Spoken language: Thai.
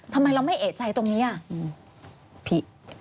ทำไมเราไม่เอกใจตรงนี้อ่ะผี